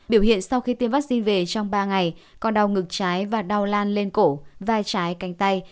biểu hiện sau khi tiêm vaccine về trong ba ngày còn đau ngực trái và đau lan lên cổ vai trái canh tay